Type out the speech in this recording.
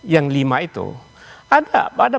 yang lima itu ada pada